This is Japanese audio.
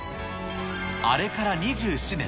あれから２７年。